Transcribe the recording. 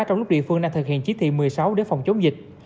trong lúc địa phương đang thực hiện chỉ thị một mươi sáu để phòng chống dịch